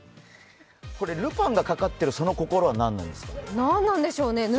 これ「ルパン」がかかっている、その心は何でしょうか？